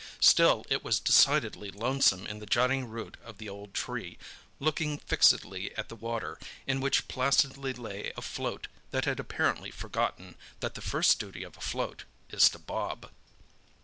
Still it was decidedly lonesome in the jutting root of the old tree, looking fixedly at the water, in which placidly lay a float that had apparently forgotten that the first duty of a float is to bob.